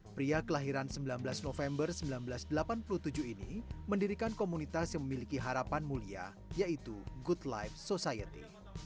pria kelahiran sembilan belas november seribu sembilan ratus delapan puluh tujuh ini mendirikan komunitas yang memiliki harapan mulia yaitu good life society